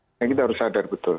karena kita harus sadar betul